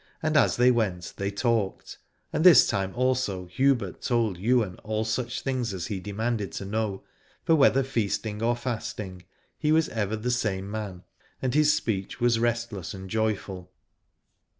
And as they went they talked, and this time also Hubert told Ywain all such things as he demanded to know, for whether feasting or fasting he was ever the same man, and his speech was restless and joyful.